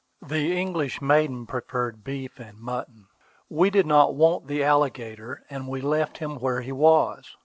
The English maiden preferred beef and mutton. We did not want the alligator, and we left him where he was.